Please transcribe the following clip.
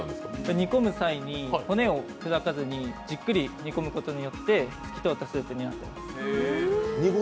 煮込む際に骨を砕かずにじっくり煮込むことによって透き通ったスープになります。